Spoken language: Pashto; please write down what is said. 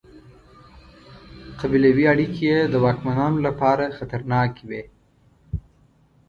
قبیلوي اړیکې یې د واکمنانو لپاره خطرناکې وې.